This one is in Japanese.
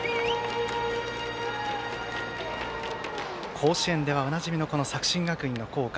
甲子園ではおなじみの作新学院の校歌。